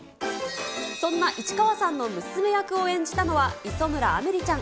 そんな市川さんの娘役を演じたのは、磯村アメリちゃん。